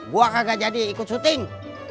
gue kagak jadi ikut syuting